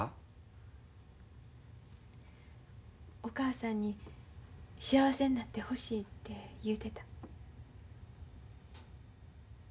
お母さんに幸せになってほしいって言うてた。